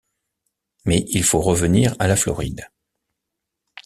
Mais il faut revenir à la Floride.